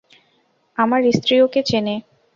আমার স্ত্রী ওকে চেনে।